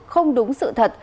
không đúng sự thật